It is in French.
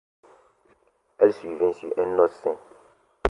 Elle survient sur un os sain.